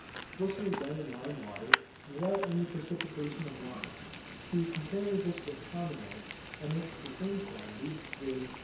This was done in lime water, without any precipitation of lime. To compare this with common air, I mixed the same quantity, viz.